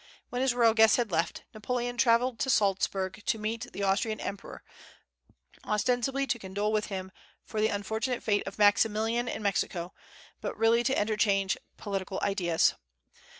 When his royal guests had left, Napoleon travelled to Salzburg to meet the Austrian emperor, ostensibly to condole with him for the unfortunate fate of Maximilian in Mexico, but really to interchange political ideas.